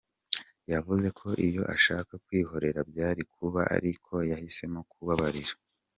Yavuze ko iyo ashaka kwihorera byari kuba ariko yahisemo kubabarira.